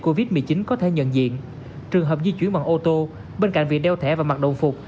covid một mươi chín có thể nhận diện trường hợp di chuyển bằng ô tô bên cạnh việc đeo thẻ và mặt đồng phục